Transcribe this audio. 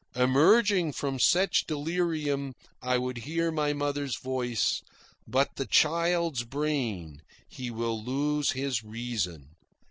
Emerging from such delirium, I would hear my mother's voice: "But the child's brain. He will lose his reason."